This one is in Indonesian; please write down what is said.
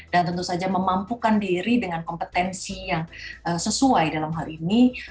dan tentu saja memampukan diri dengan kompetensi yang sesuai dalam hal ini